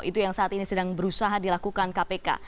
itu yang saat ini sedang berusaha dilakukan kpk